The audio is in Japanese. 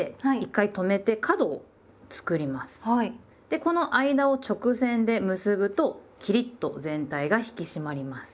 でこの間を直線で結ぶとキリッと全体が引き締まります。